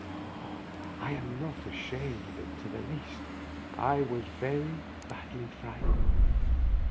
I am not ashamed of it in the least : I was very badly fright ened.